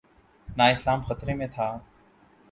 نہ اسلام خطرے میں تھا۔